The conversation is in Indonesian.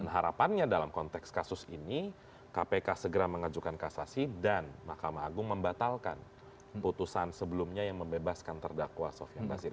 harapannya dalam konteks kasus ini kpk segera mengajukan kasasi dan mahkamah agung membatalkan putusan sebelumnya yang membebaskan terdakwa sofian nasir